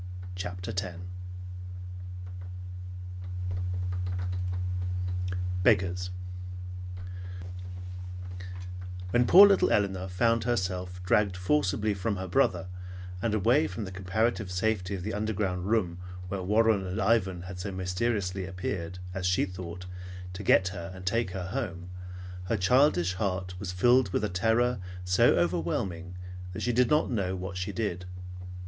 CHAPTER X BEGGARS When poor little Elinor found herself dragged forcibly from her brother and away from the comparative safety of the underground room where Warren and Ivan had so mysteriously appeared, as she thought, to get her and take her home, her childish heart was filled with a terror so overwhelming that she did not know what she did.